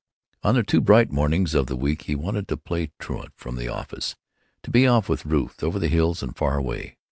On the two bright mornings of the week he wanted to play truant from the office, to be off with Ruth over the hills and far away.